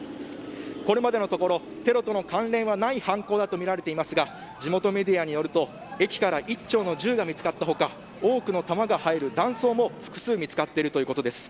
これまでのところ、テロとの関連はない犯行だとみられていますが地元メディアによると駅から１丁の銃が見つかった他多くの玉が入る弾倉も複数見つかっているということです。